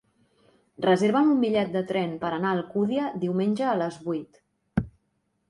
Reserva'm un bitllet de tren per anar a Alcúdia diumenge a les vuit.